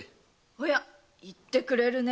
おや言ってくれるね